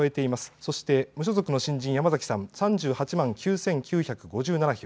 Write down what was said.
そして無所属の新人山崎さん、３８万９９５７票。